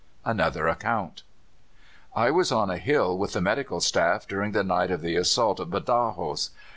ANOTHER ACCOUNT. "I was on a hill with the medical staff during the night of the assault of Badajos.